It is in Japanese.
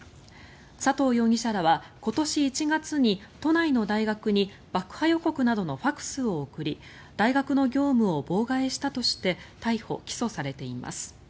佐藤容疑者らは今年１月に都内の大学に爆破予告などのファクスを送り大学の業務を妨害したとして逮捕・起訴されています。